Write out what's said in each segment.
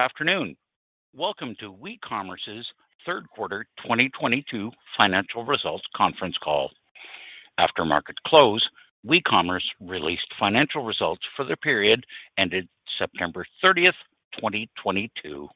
Good afternoon. Welcome to WeCommerce's third quarter 2022 financial results conference call. After market close, WeCommerce released financial results for the period ended September 30, 2022.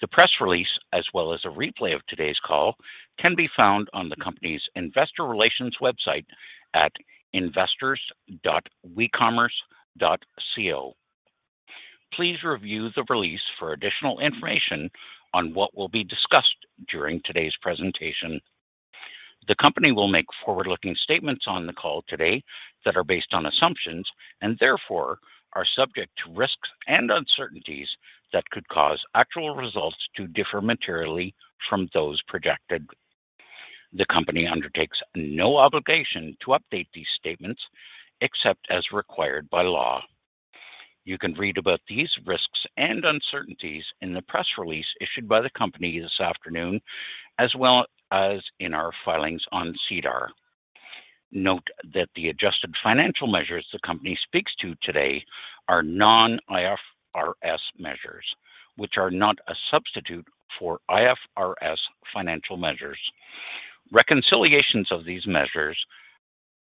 The press release, as well as a replay of today's call, can be found on the company's investor relations website at investors.wecommerce.co. Please review the release for additional information on what will be discussed during today's presentation. The company will make forward-looking statements on the call today that are based on assumptions and therefore are subject to risks and uncertainties that could cause actual results to differ materially from those projected. The company undertakes no obligation to update these statements except as required by law. You can read about these risks and uncertainties in the press release issued by the company this afternoon, as well as in our filings on SEDAR. Note that the adjusted financial measures the company speaks to today are non-IFRS measures, which are not a substitute for IFRS financial measures. Reconciliations of these measures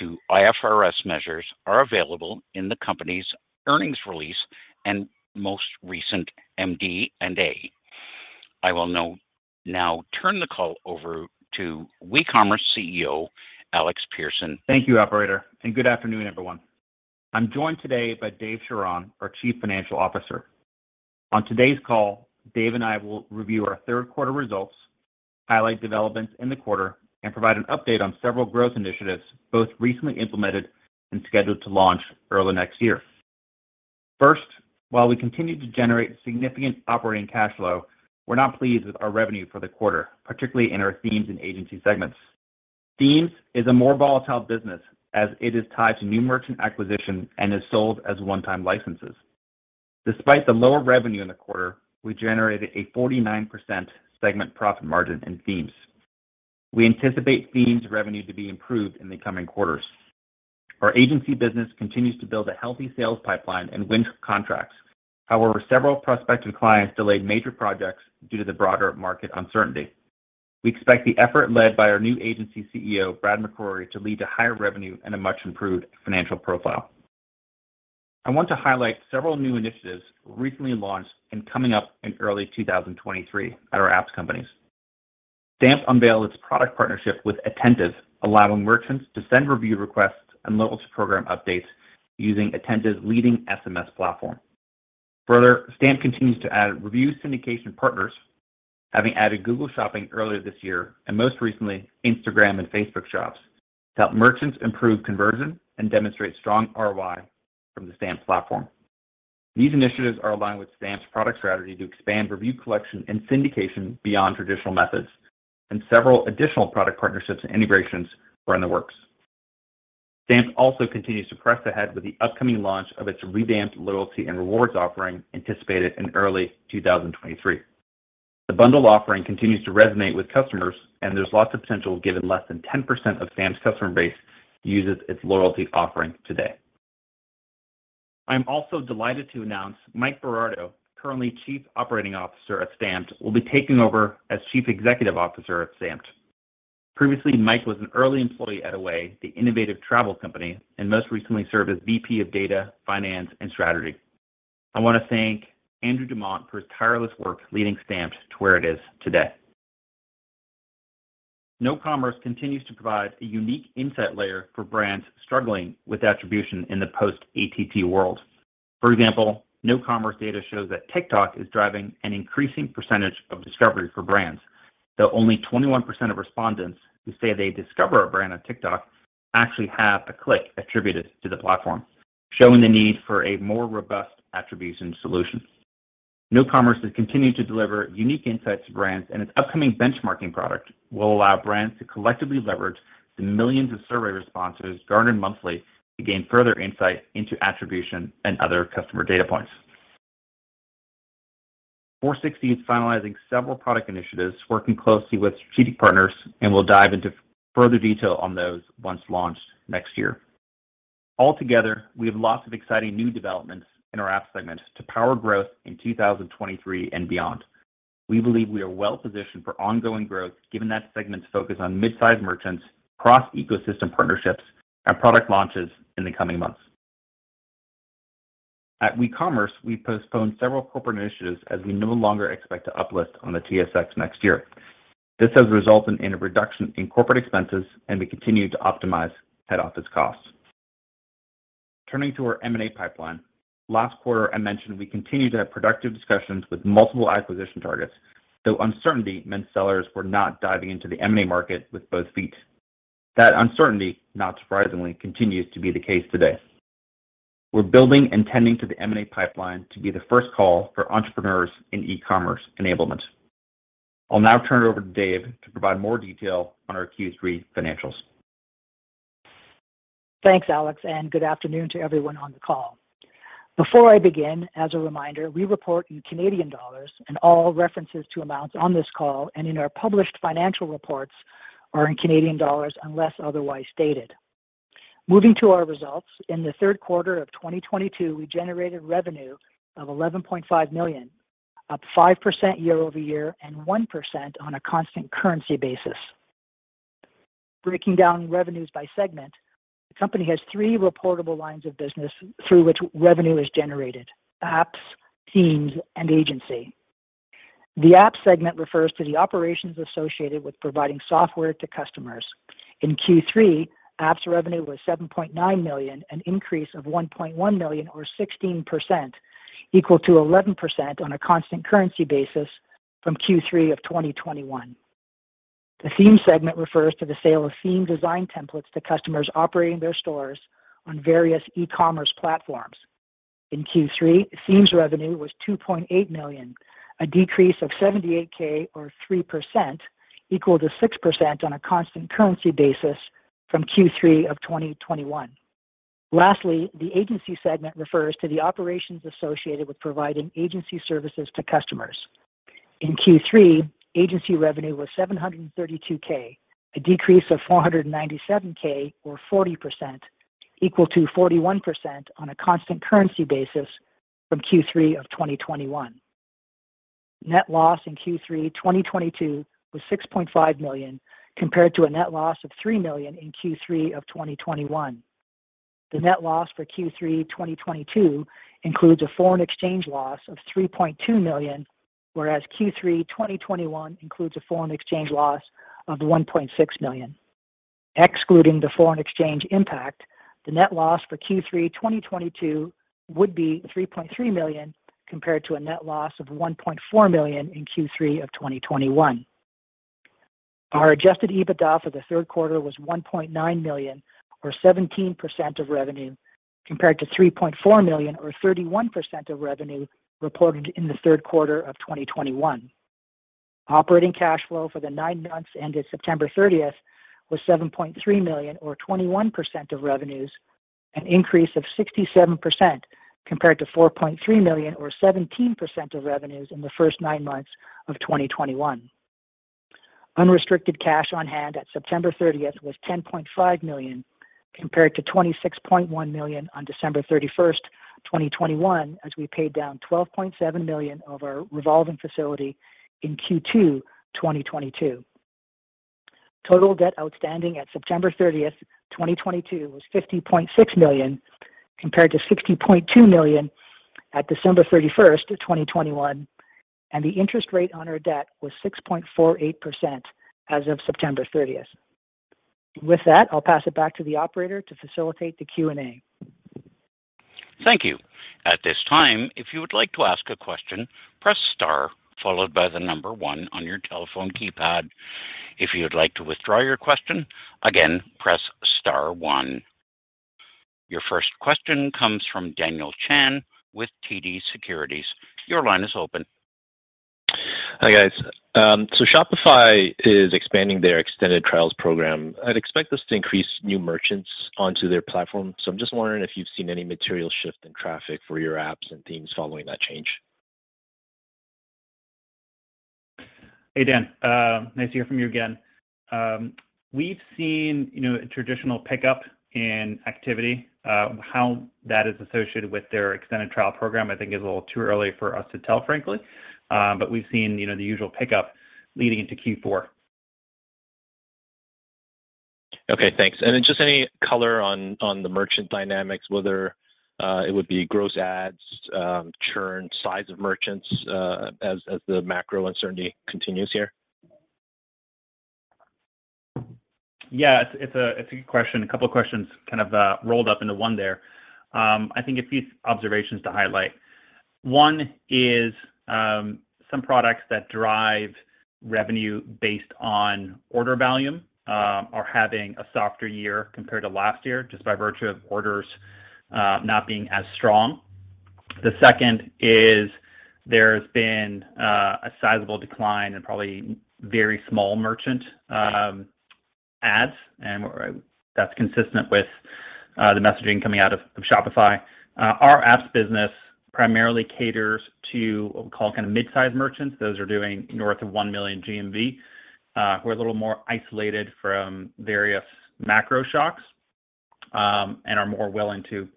to IFRS measures are available in the company's earnings release and most recent MD&A. I will now turn the call over to WeCommerce CEO, Alex Persson. Thank you, operator, and good afternoon, everyone. I'm joined today by David Charron, our Chief Financial Officer. On today's call, David Charron and I will review our third quarter results, highlight developments in the quarter, and provide an update on several growth initiatives, both recently implemented and scheduled to launch early next year. First, while we continue to generate significant operating cash flow, we're not pleased with our revenue for the quarter, particularly in our Themes and Agency segments. Themes is a more volatile business as it is tied to new merchant acquisition and is sold as one-time licenses. Despite the lower revenue in the quarter, we generated a 49% segment profit margin in Themes. We anticipate Themes revenue to be improved in the coming quarters. Our Agency business continues to build a healthy sales pipeline and win contracts. However, several prospective clients delayed major projects due to the broader market uncertainty. We expect the effort led by our new agency CEO, Brad McCrory, to lead to higher revenue and a much-improved financial profile. I want to highlight several new initiatives recently launched and coming up in early 2023 at our apps companies. Stamped unveiled its product partnership with Attentive, allowing merchants to send review requests and loyalty program updates using Attentive's leading SMS platform. Further, Stamped continues to add review syndication partners, having added Google Shopping earlier this year and most recently Instagram and Facebook Shops to help merchants improve conversion and demonstrate strong ROI from the Stamped platform. These initiatives are aligned with Stamped's product strategy to expand review collection and syndication beyond traditional methods, and several additional product partnerships and integrations are in the works. Stamped also continues to press ahead with the upcoming launch of its revamped loyalty and rewards offering, anticipated in early 2023. The bundle offering continues to resonate with customers, and there's lots of potential given less than 10% of Stamped's customer base uses its loyalty offering today. I'm also delighted to announce Mike Berardo, currently Chief Operating Officer at Stamped, will be taking over as Chief Executive Officer at Stamped. Previously, Mike was an early employee at Away, the innovative travel company, and most recently served as VP of Data, Finance, and Strategy. I want to thank Andrew Dumont for his tireless work leading Stamped to where it is today. KnoCommerce continues to provide a unique insight layer for brands struggling with attribution in the post-ATT world. For example, KnoCommerce data shows that TikTok is driving an increasing percentage of discovery for brands, though only 21% of respondents who say they discover a brand on TikTok actually have a click attributed to the platform, showing the need for a more robust attribution solution. KnoCommerce has continued to deliver unique insights to brands, and its upcoming benchmarking product will allow brands to collectively leverage the millions of survey responses garnered monthly to gain further insight into attribution and other customer data points. 460 is finalizing several product initiatives, working closely with strategic partners, and we'll dive into further detail on those once launched next year. Altogether, we have lots of exciting new developments in our app segment to power growth in 2023 and beyond. We believe we are well-positioned for ongoing growth given that segment's focus on mid-size merchants, cross-ecosystem partnerships, and product launches in the coming months. At WeCommerce, we postponed several corporate initiatives as we no longer expect to uplist on the TSX next year. This has resulted in a reduction in corporate expenses, and we continue to optimize head office costs. Turning to our M&A pipeline. Last quarter, I mentioned we continue to have productive discussions with multiple acquisition targets, though uncertainty meant sellers were not diving into the M&A market with both feet. That uncertainty, not surprisingly, continues to be the case today. We're building and tending to the M&A pipeline to be the first call for entrepreneurs in e-commerce enablement. I'll now turn it over to Dave to provide more detail on our Q3 financials. Thanks, Alex, and good afternoon to everyone on the call. Before I begin, as a reminder, we report in Canadian dollars, and all references to amounts on this call and in our published financial reports are in Canadian dollars unless otherwise stated. Moving to our results. In the third quarter of 2022, we generated revenue of 11.5 million, up 5% year-over-year and 1% on a constant currency basis. Breaking down revenues by segment, the company has three reportable lines of business through which revenue is generated: Apps, Themes, and Agency. The App segment refers to the operations associated with providing software to customers. In Q3, Apps revenue was 7.9 million, an increase of 1.1 million or 16%, equal to 11% on a constant currency basis from Q3 of 2021. The Theme segment refers to the sale of Theme design templates to customers operating their stores on various eCommerce platforms. In Q3, Themes revenue was 2.8 million, a decrease of 78K or 3% equal to 6% on a constant currency basis from Q3 of 2021. Lastly, the Agency segment refers to the operations associated with providing agency services to customers. In Q3, Agency revenue was 732K, a decrease of 497K or 40% equal to 41% on a constant currency basis from Q3 of 2021. Net loss in Q3, 2022 was 6.5 million, compared to a net loss of 3 million in Q3 of 2021. The net loss for Q3, 2022 includes a foreign exchange loss of 3.2 million, whereas Q3, 2021 includes a foreign exchange loss of 1.6 million. Excluding the foreign exchange impact, the net loss for Q3, 2022 would be 3.3 million, compared to a net loss of 1.4 million in Q3 of 2021. Our adjusted EBITDA for the third quarter was 1.9 million or 17% of revenue, compared to 3.4 million or 31% of revenue reported in the third quarter of 2021. Operating cash flow for the nine months ended September thirtieth was 7.3 million or 21% of revenues, an increase of 67% compared to 4.3 million or 17% of revenues in the first nine months of 2021. Unrestricted cash on hand at September 30 was 10.5 million, compared to 26.1 million on December 31, 2021, as we paid down 12.7 million of our revolving facility in Q2 2022. Total debt outstanding at September 30, 2022 was 50.6 million, compared to 60.2 million at December 31, 2021, and the interest rate on our debt was 6.48% as of September 30. With that, I'll pass it back to the operator to facilitate the Q&A. Thank you. At this time, if you would like to ask a question, press star followed by the number one on your telephone keypad. If you would like to withdraw your question, again, press star one. Your first question comes from Daniel Chan with TD Securities. Your line is open. Hi, guys. Shopify is expanding their extended trials program. I'd expect this to increase new merchants onto their platform. I'm just wondering if you've seen any material shift in traffic for your Apps and Themes following that change. Hey, Dan. Nice to hear from you again. We've seen, you know, a traditional pickup in activity. How that is associated with their extended trial program, I think is a little too early for us to tell, frankly. We've seen, you know, the usual pickup leading into Q4. Okay, thanks. Just any color on the merchant dynamics, whether it would be gross adds, churn, size of merchants, as the macro uncertainty continues here? Yeah, it's a good question. A couple of questions kind of rolled up into one there. I think a few observations to highlight. One is some products that drive revenue based on order volume are having a softer year compared to last year, just by virtue of orders not being as strong. The second is there's been a sizable decline in probably very small merchant ads, and that's consistent with the messaging coming out of Shopify. Our Apps business primarily caters to what we call kinda mid-sized merchants. Those are doing north of 1 million GMV, who are a little more isolated from various macro shocks, and are more willing to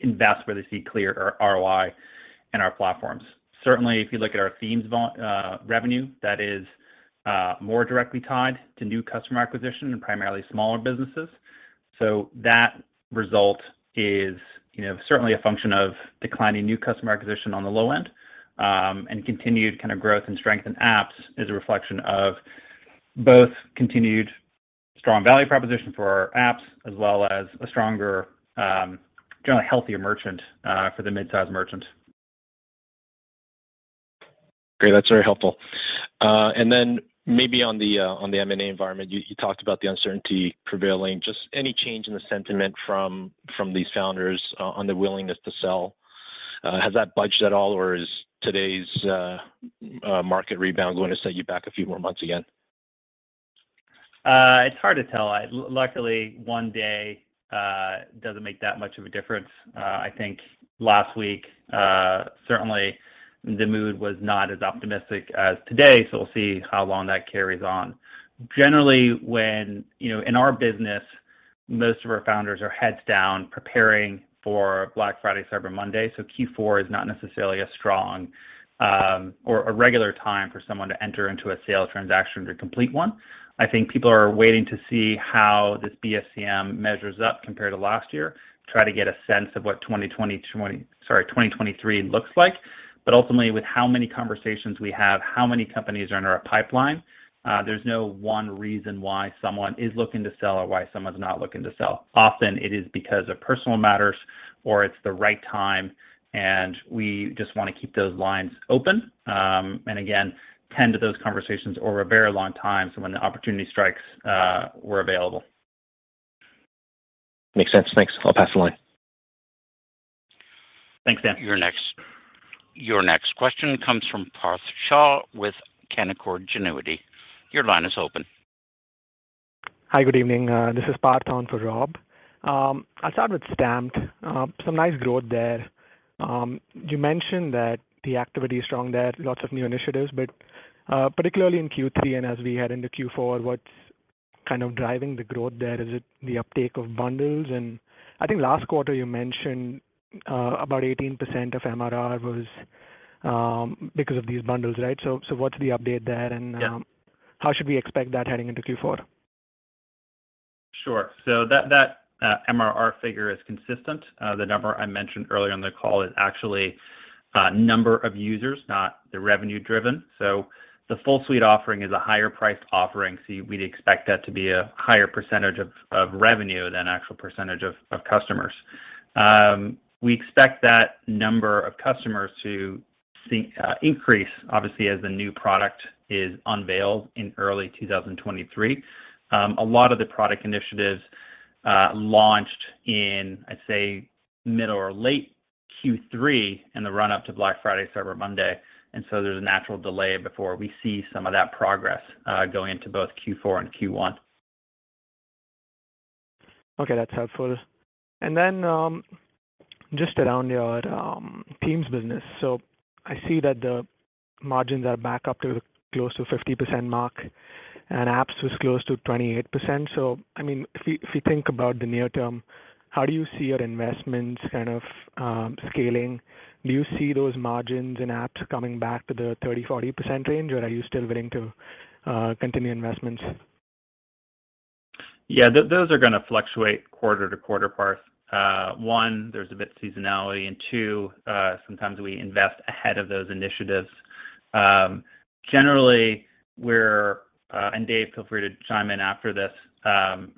invest where they see clear ROI in our platforms. Certainly, if you look at our Themes revenue, that is more directly tied to new customer acquisition in primarily smaller businesses. That result is, you know, certainly a function of declining new customer acquisition on the low end, and continued kind of growth and strength in Apps is a reflection of both continued strong value proposition for our Apps as well as a stronger, generally healthier merchant for the midsize merchant. Great. That's very helpful. Maybe on the M&A environment. You talked about the uncertainty prevailing. Just any change in the sentiment from these founders on the willingness to sell? Has that budged at all, or is today's market rebound going to set you back a few more months again? It's hard to tell. Luckily, one day doesn't make that much of a difference. I think last week, certainly the mood was not as optimistic as today, so we'll see how long that carries on. Generally, you know, in our business. Most of our founders are heads down preparing for Black Friday, Cyber Monday. Q4 is not necessarily a strong or a regular time for someone to enter into a sales transaction to complete one. I think people are waiting to see how this BFCM measures up compared to last year, try to get a sense of what 2023 looks like. Ultimately, with how many conversations we have, how many companies are in our pipeline, there's no one reason why someone is looking to sell or why someone's not looking to sell. Often it is because of personal matters or it's the right time, and we just want to keep those lines open, and again, tend to those conversations over a very long time. When the opportunity strikes, we're available. Makes sense. Thanks. I'll pass the line. Thanks, Dan. Your next question comes from Parth Shah with Canaccord Genuity. Your line is open. Hi, good evening. This is Parth on for Rob. I'll start with Stamped. Some nice growth there. You mentioned that the activity is strong there, lots of new initiatives, but particularly in Q3 and as we head into Q4, what's kind of driving the growth there? Is it the uptake of bundles? I think last quarter you mentioned about 18% of MRR was because of these bundles, right? So what's the update there and Yeah. How should we expect that heading into Q4? Sure. That MRR figure is consistent. The number I mentioned earlier on the call is actually number of users, not the revenue-driven. The full suite offering is a higher priced offering, so we'd expect that to be a higher percentage of revenue than actual percentage of customers. We expect that number of customers to see increase obviously as the new product is unveiled in early 2023. A lot of the product initiatives launched in, I'd say, middle or late Q3 in the run-up to Black Friday, Cyber Monday. There's a natural delay before we see some of that progress go into both Q4 and Q1. Okay, that's helpful. Just around your teams business. I see that the margins are back up to close to 50% mark, and apps was close to 28%. I mean, if you think about the near term, how do you see your investments kind of scaling? Do you see those margins and apps coming back to the 30%-40% range, or are you still willing to continue investments? Yeah, those are gonna fluctuate quarter to quarter, Parth. One, there's a bit of seasonality, and two, sometimes we invest ahead of those initiatives. Dave, feel free to chime in after this.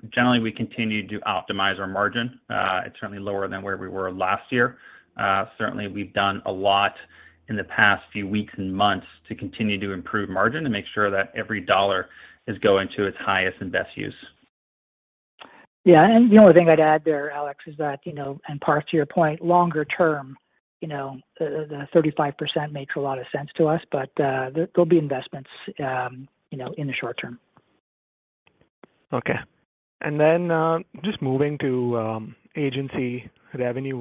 Generally, we continue to optimize our margin. It's certainly lower than where we were last year. Certainly we've done a lot in the past few weeks and months to continue to improve margin and make sure that every dollar is going to its highest and best use. Yeah. The only thing I'd add there, Alex, is that, you know, and Parth, to your point, longer term, you know, the 35% makes a lot of sense to us, but there'll be investments, you know, in the short term. Okay. Just moving to agency revenue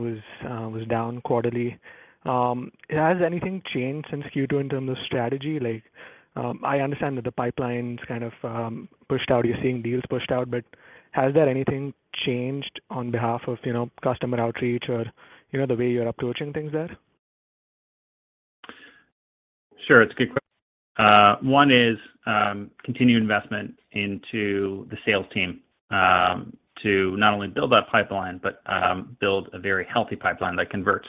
was down quarterly. Has anything changed since Q2 in terms of strategy? Like, I understand that the pipeline's kind of pushed out. You're seeing deals pushed out, but has there anything changed on behalf of, you know, customer outreach or, you know, the way you're approaching things there? Sure. One is continued investment into the sales team to not only build that pipeline, but build a very healthy pipeline that converts.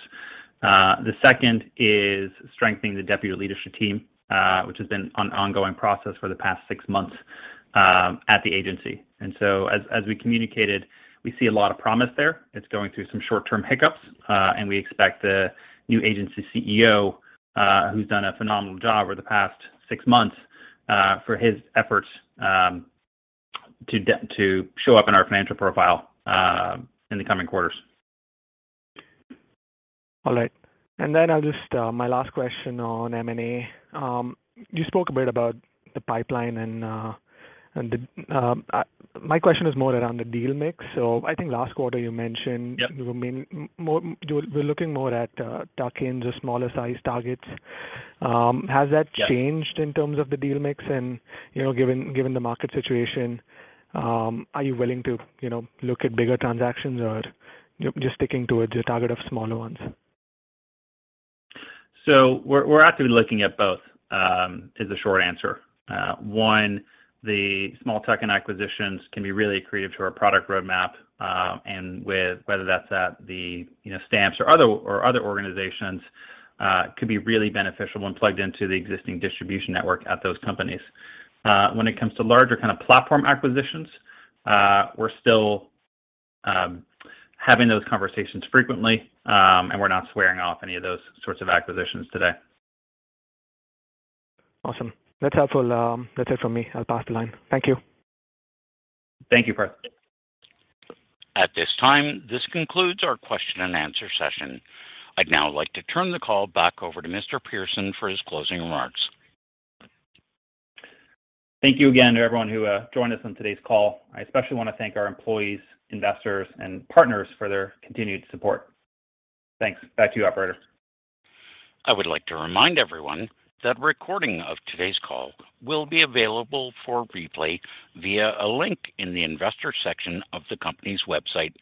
The second is strengthening the deputy leadership team, which has been an ongoing process for the past six months at the agency. As we communicated, we see a lot of promise there. It's going through some short-term hiccups, and we expect the new agency CEO, who's done a phenomenal job over the past six months for his efforts, to show up in our financial profile in the coming quarters. All right. I'll just my last question on M&A. You spoke a bit about the pipeline and my question is more around the deal mix. I think last quarter you mentioned. Yep. You were looking more at tuck-ins or smaller sized targets. Has that- Yep. Changed in terms of the deal mix? You know, given the market situation, are you willing to, you know, look at bigger transactions or just sticking toward your target of smaller ones? We're actively looking at both is the short answer. One, the small tuck-in acquisitions can be really accretive to our product roadmap, and whether that's at the, you know, Stamped or other organizations could be really beneficial when plugged into the existing distribution network at those companies. When it comes to larger kind of platform acquisitions, we're still having those conversations frequently, and we're not swearing off any of those sorts of acquisitions today. Awesome. That's helpful. That's it for me. I'll pass the line. Thank you. Thank you, Parth. At this time, this concludes our question and answer session. I'd now like to turn the call back over to Mr. Persson for his closing remarks. Thank you again to everyone who joined us on today's call. I especially want to thank our employees, investors, and partners for their continued support. Thanks. Back to you, operator. I would like to remind everyone that recording of today's call will be available for replay via a link in the investor section of the company's website.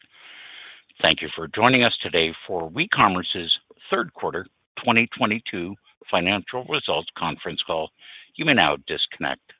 Thank you for joining us today for WeCommerce's third quarter 2022 financial results conference call. You may now disconnect.